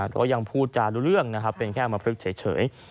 ก็ยังพูดจารุ่นเรื่องเป็นแค่มาเพิ่มเฉย